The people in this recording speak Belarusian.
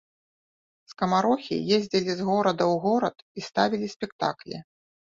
Скамарохі ездзілі з горада ў горад і ставілі спектаклі.